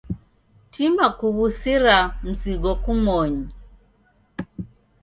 Tima kuw'usira msigo kumoni.